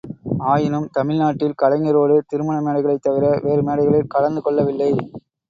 ஆயினும் தமிழ் நாட்டில் கலைஞரோடு திருமண மேடைகளைத் தவிர வேறு மேடைகளில் கலந்து கொள்ளவில்லை.